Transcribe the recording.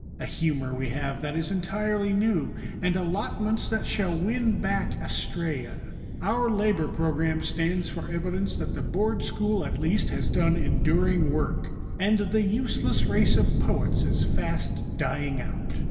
A humour we have, that is entirely new; and allotments that shall win back Astræa. Our Labor Program stands for evidence that the Board School, at least, has done enduring work; and the useless race of poets is fast dying out.